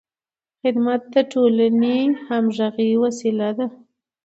خدمت د ټولنې د همغږۍ وسیله ده.